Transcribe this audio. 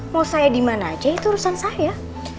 mau saya di mana aja itu urusan saya